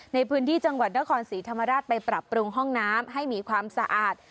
ในพื้นที่จังหวัดนครศรีธรรมราชไปปรับปรุงห้องน้ำให้มีความสะอาด